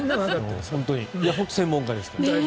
本当に専門家ですから。